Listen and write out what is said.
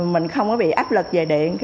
mình không có bị áp lực về điện